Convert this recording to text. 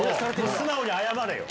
素直に謝れよ。